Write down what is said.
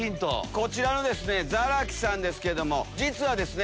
こちらの更木さんですけども実はですね。